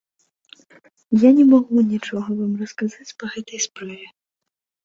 Я не магу нічога вам расказаць па гэтай справе.